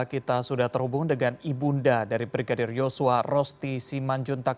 kita sudah terhubung dengan ibu unda dari brigadir yosua rosti simanjuntak